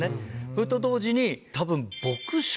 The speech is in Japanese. それと同時に多分。